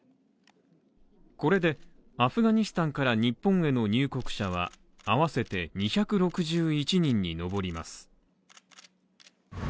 これで、アフガニスタンから日本への入国者は合わせて２６１人に上ります。